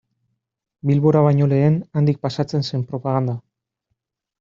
Bilbora baino lehen, handik pasatzen zen propaganda.